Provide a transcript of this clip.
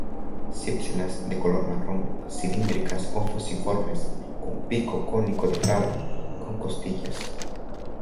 Cipselas de color marrón, cilíndricas o fusiformes, con pico cónico delgado, con costillas.